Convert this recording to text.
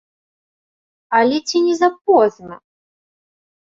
Але ці не запозна?